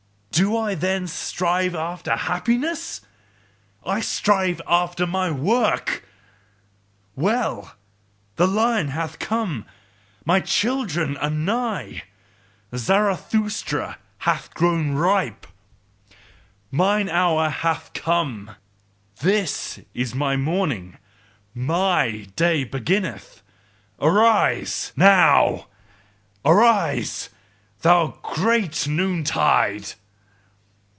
Do I then strive after HAPPINESS? I strive after my WORK! Well! The lion hath come, my children are nigh, Zarathustra hath grown ripe, mine hour hath come: This is MY morning, MY day beginneth: ARISE NOW, ARISE, THOU GREAT NOONTIDE!"